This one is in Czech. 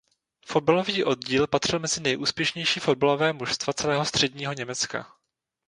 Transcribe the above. Fotbalový oddíl patřil mezi nejúspěšnější fotbalové mužstva celého Středního Německa.